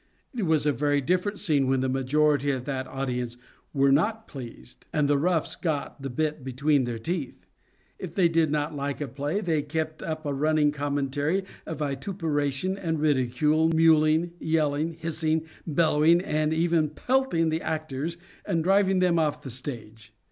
It was a very different scene when the majority of that audience were not pleased and the roughs got the bit between their teeth. If they did not like a play they kept up a running commentary of vitupera tion and ridicule — mewing, yelling, hissing, bel lowing, and even pelting the actors and driving them ofi the stage.